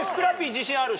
自信ある？